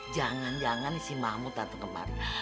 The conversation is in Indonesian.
jangan jangan si mahmud tante kemari